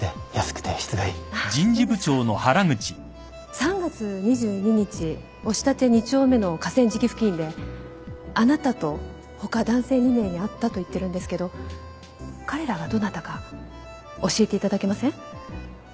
３月２２日押立２丁目の河川敷付近であなたと他男性２名に会ったと言ってるんですけど彼らがどなたか教えていただけません？